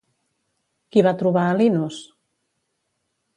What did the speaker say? Qui va trobar a Linos?